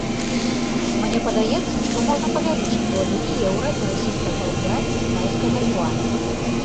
Мне падаецца, што можна павялічыць долю і еўра, і расійскага рубля, і кітайскага юаня.